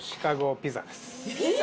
ピザ？